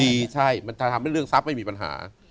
มีใช่มันจะทำให้เรื่องทรัพย์ไม่มีปัญหา